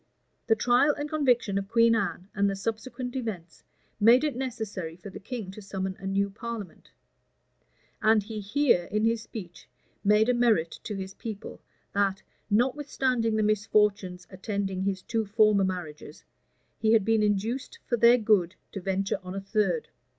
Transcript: The trial and conviction of Queen Anne, and the subsequent events, made it necessary for the king to summon a new parliament; and he here, in his speech, made a merit to his people, that, notwithstanding the misfortunes attending his two former marriages, he had been induced for their good to venture on a third.